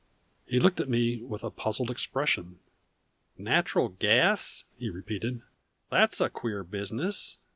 He looked at me with a puzzled expression. "Natural gas?" he repeated. "That's a queer business.